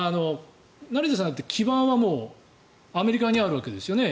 成田さんだって基盤はもうアメリカにあるわけですよね？